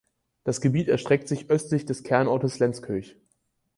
Das Gebiet erstreckt sich östlich des Kernortes Lenzkirch.